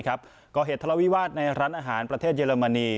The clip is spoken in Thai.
ก่อเหตุทะเลาวิวาสในร้านอาหารประเทศเยอรมนี